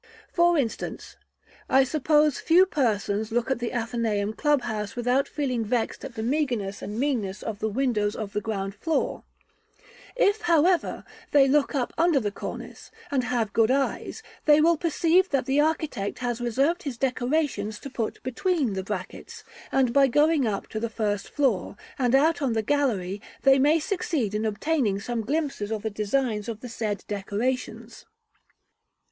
For instance, I suppose few persons look at the Athenæum Club house without feeling vexed at the meagreness and meanness of the windows of the ground floor: if, however, they look up under the cornice, and have good eyes, they will perceive that the architect has reserved his decorations to put between the brackets; and by going up to the first floor, and out on the gallery, they may succeed in obtaining some glimpses of the designs of the said decorations.